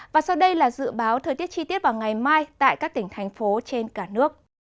và sau đây là dự báo thời tiết chi tiết vào ngày mai tại các tỉnh thành phố trên cả nước